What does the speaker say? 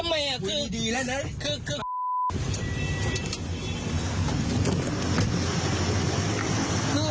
ทำไมล่ะคือคือ